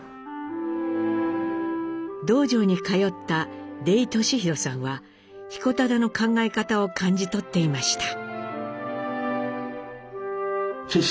道場に通った出井俊宏さんは彦忠の考え方を感じ取っていました。